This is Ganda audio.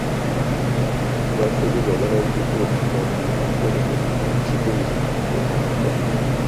Abaaferebwa baalagidwa okuddayo mu Ankole ne Kigezi gye baava.